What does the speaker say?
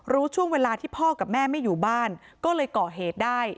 รู้ช่วงเวลาที่พ่อกับแม่ไม่อยู่บ้านก็เลยก่อเหตุได้